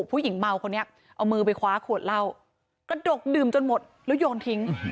ผู้หญิงเมาคนนี้เอามือไปคว้าขวดเหล้ากระดกดื่มจนหมดแล้วโยนทิ้ง